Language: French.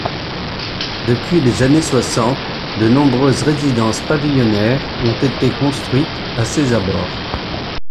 Depuis les années soixante de nombreuses résidences pavillonnaires ont été construites à ses abords.